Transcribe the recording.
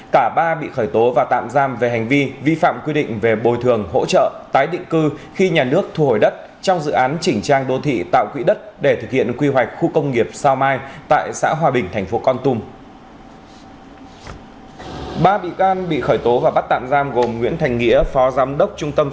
cả ba bị khởi tố và tạm giam về hành vi vi phạm quy định về bồi thường hỗ trợ tái định cư khi nhà nước thu hồi đất trong dự án chỉnh trang đô thị tạo quỹ đất để thực hiện quy hoạch khu công nghiệp sao mai tại xã hòa bình thành phố con tum